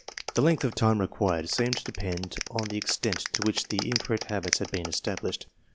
The length of time required seemed to depend on the extent to which the incorrect habits had been established.